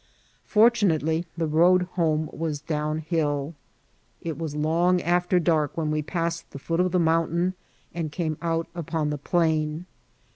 Fortu nately, the road home was down hilL It was long after dark when we passed the foot of the mountain and came out upon the plain.